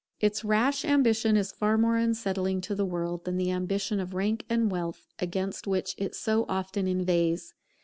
Its rash ambition is far more unsettling to the world than the ambition of rank and wealth, against which it so often inveighs.